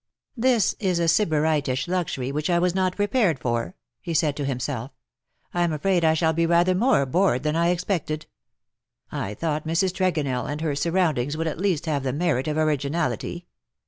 ^' This is a sybaritish luxury which I was not prepared for/ ' he said to himself. " Vm. afraid I shall be rather more bored than I expected. I thought Mrs. Tregonell and her surroundings would at least have the merit of originality.